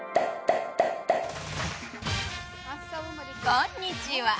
こんにちは。